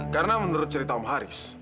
karena menurut cerita om haris